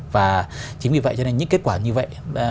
và chính vì vậy cho nên những kết quả như vậy